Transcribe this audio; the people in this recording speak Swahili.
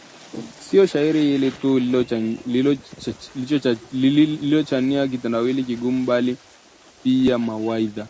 Sio shairi hili tu lililoniachia kitendawili kigumu bali pia mawaidha